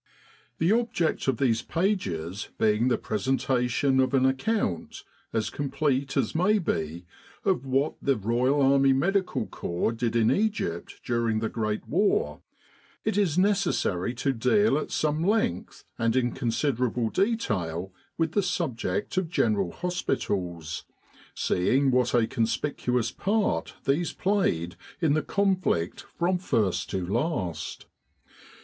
The object of these pages being the presentation of an account, as complete as may be, of what the Royal Army Medical Corps did in Egypt during the Great War, it i's necessary to deal at some length and in considerable detail with the subject of General 233 With the R.A.M.C. in Egypt Hospitals, seeing what a conspicuous part these played in the conflict from first to last.